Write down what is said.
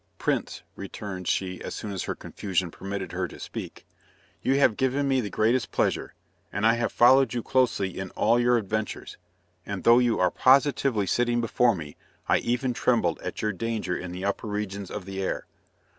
"Prince," returned she as soon as her confusion permitted her to speak, "you have given me the greatest pleasure, and I have followed you closely in all your adventures, and though you are positively sitting before me, I even trembled at your danger in the upper regions of the air!